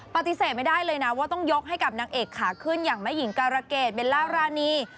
ปฏิเสธไม่ได้เลยนะว่าต้องยกให้กับนางเอกขาขึ้นอย่างแม่หญิงการะเกดเบลล่ารานี